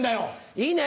いいね。